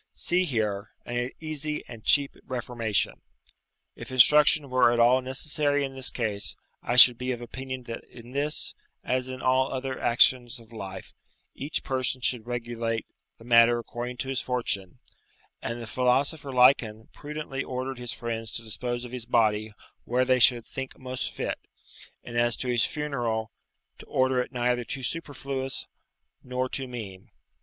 See, here, an easy and cheap reformation. If instruction were at all necessary in this case, I should be of opinion that in this, as in all other actions of life, each person should regulate the matter according to his fortune; and the philosopher Lycon prudently ordered his friends to dispose of his body where they should think most fit, and as to his funeral, to order it neither too superfluous nor too mean.